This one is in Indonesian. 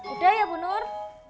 udah ya bu nur